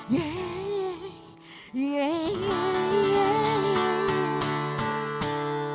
kau ada dimana